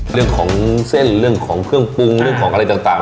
เรื่องของเส้นเรื่องของเครื่องปรุงเรื่องของอะไรต่าง